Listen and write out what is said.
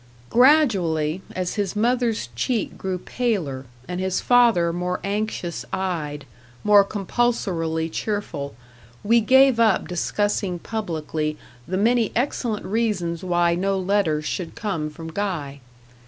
Gradually, as his mother's cheek grew paler, and his father more anxious eyed, more compulsorily cheerful, we gave up discussing publicly the many excellent reasons why no letters should come from Guy.